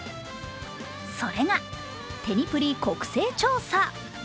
それが、＃テニプリ国勢調査。